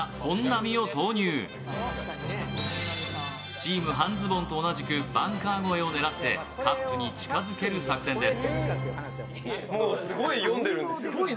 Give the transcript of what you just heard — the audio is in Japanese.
チーム半ズボンと同じくバンカー越えを狙ってカップに近づける作戦です。